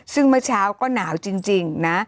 ซึ่งเมื่อเช้าก็หนาวจริงนะ